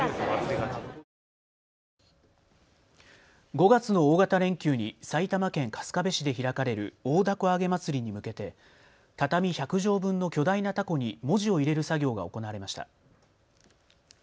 ５月の大型連休に埼玉県春日部市で開かれる大凧あげ祭りに向けて畳１００畳分の巨大なたこに文字を入れる作業が行われました。